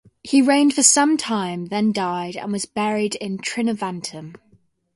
He reigned for some time then died and was buried in Trinovantum.